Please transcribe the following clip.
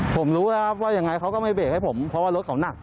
ผมรู้แล้วครับว่ายังไงเขาก็ไม่เบรกให้ผมเพราะว่ารถเขาหนัก